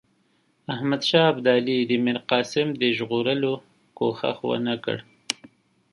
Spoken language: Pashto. احمدشاه ابدالي د میرقاسم د ژغورلو کوښښ ونه کړ.